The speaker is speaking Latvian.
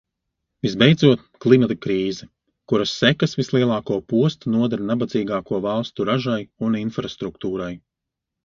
Visbeidzot, klimata krīze, kuras sekas vislielāko postu nodara nabadzīgāko valstu ražai un infrastruktūrai.